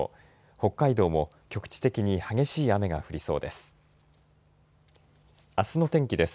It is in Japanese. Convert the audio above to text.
北海道も局地的に激しい雨が降りそうです。